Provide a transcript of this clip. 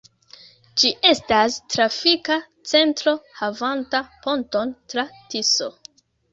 Ĝi estas trafika centro havanta ponton tra Tiso.